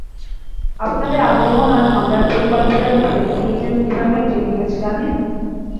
আপনাদের আগমন আর হামলার পরিকল্পনার ব্যাপারে ইন্টেলিজেন্স ডিপার্টমেন্ট জেনে গেছে, জানেন?